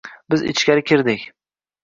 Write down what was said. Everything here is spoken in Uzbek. Biz ichkari kirdik